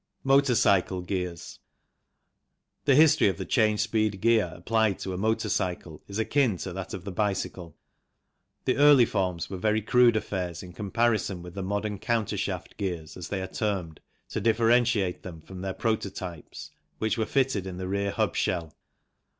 Motor cycle Gears. The history of the change speed gear applied to a motor cycle is akin to that of the bicycle. The early forms were very crude affairs in comparison with the modern countershaft gears as they are termed to differentiate them from their pro totypes, which were fitted in the rear hub shell.